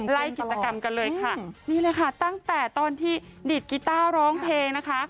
ไล่กิจกรรมกันเลยค่ะนี่เลยค่ะตั้งแต่ตอนที่ดิตกีต้าร้องเพลงนะคะ